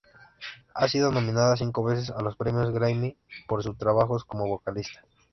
Ha sido nominada cinco veces a los premios Grammy por su trabajos como vocalista.